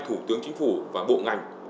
thủ tướng chính phủ và bộ ngành